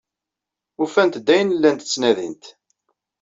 Ufant-d ayen ay llant ttnadint.